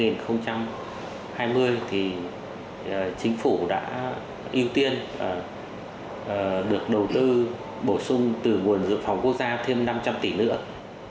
năm hai nghìn hai mươi thì chính phủ đã ưu tiên được đầu tư bổ sung từ nguồn dự phòng quốc gia thêm năm trăm linh tỷ nữa